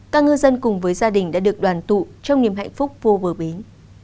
các ngư dân cùng với gia đình đã được đoàn tụ trong niềm hạnh phúc vô bờ bến